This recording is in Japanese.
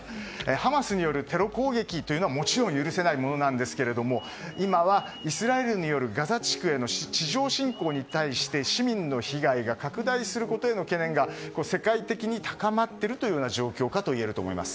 ハマスによるテロ攻撃は許せないものなんですけど今は、イスラエルによるガザ地区への地上侵攻に対して市民の被害が拡大することへの懸念が世界的に高まっているというような状況かといえると思います。